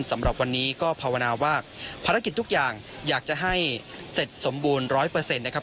สำหรับวันนี้ก็ภาวนาว่าภารกิจทุกอย่างอยากจะให้เสร็จสมบูรณ์๑๐๐นะครับ